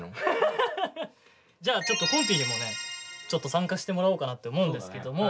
じゃあちょっとこんぴーにもねちょっと参加してもらおうかなって思うんですけども。